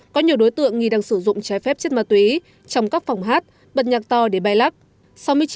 có nhiều đối tượng nghi đang sử dụng trái phép chất ma túy trong các phòng hát bật nhạc to để bay lắc